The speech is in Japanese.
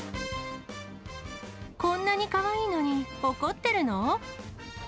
こんなにかわいいのに怒ってるの？